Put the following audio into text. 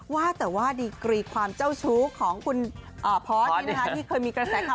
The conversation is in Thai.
ว่าแต่ว่าดีกรีความเจ้าชู้ของคุณพอร์ตที่เคยมีกระแสข่าว